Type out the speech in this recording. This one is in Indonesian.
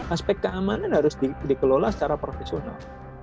aspek keamanan harus dikelola secara profesional